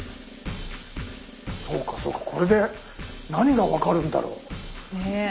そうかそうかこれで何が分かるんだろう？ねえ。